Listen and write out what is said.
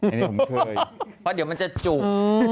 อันนี้ผมเคยเพราะเดี๋ยวมันจะจุก